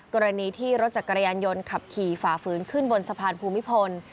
กรณีที่รถจักรยานยนต์ขับขี่ฝ่าฝืนขึ้นบนสะพานภูมิพล